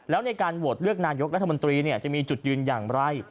แล้วในการโหวตเลือกนายกรัฐมนตรีจะมีจุดยืนอย่างไร